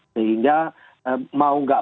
sehingga mau gak